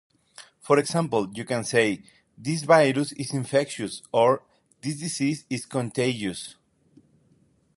For example, you can say "This virus is infectious" or "This disease is contagious".